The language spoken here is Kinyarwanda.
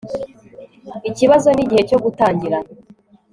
Ikibazo nigihe cyo gutangira